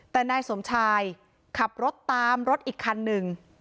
แต่นายสมชายขับรถตามรถอีกคันหนึ่ง